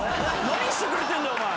何してくれてんだよお前！